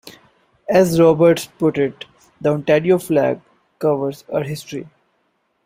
As Robarts put it, the Ontario flag "covers our history.